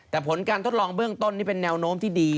แต่ผลการทดลองเบื้องต้นนี่เป็นแนวโน้มที่ดี